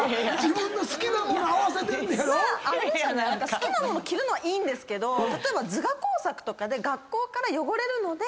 好きな物着るのはいいんですけど例えば図画工作とかで学校から汚れるので。